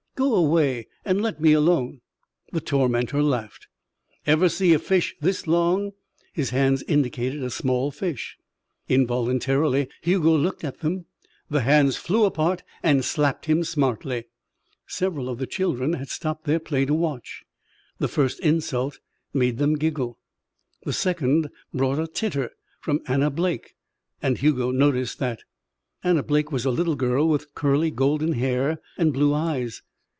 "Go away and let me alone." The tormentor laughed. "Ever see a fish this long?" His hands indicated a small fish. Involuntarily Hugo looked at them. The hands flew apart and slapped him smartly. Several of the children had stopped their play to watch. The first insult made them giggle. The second brought a titter from Anna Blake, and Hugo noticed that. Anna Blake was a little girl with curly golden hair and blue eyes.